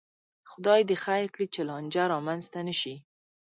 خدای دې خیر کړي، چې لانجه را منځته نشي